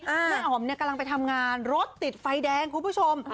แม่อ๋อมเนี่ยกำลังไปทำงานรถติดไฟแดงคุณผู้ชม